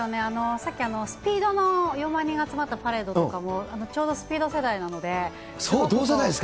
さっき、ＳＰＥＥＤの４万人が集まったパレードとかも、ちょうどＳＰＥＥ同世代ですか？